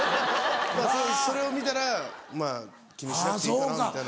それを見たらまぁ気にしなくていいかなみたいな。